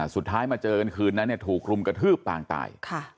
สุดท้ายมาเจอกันคืนนั้นเนี่ยถูกกลุ่มกระทืบต่างตาย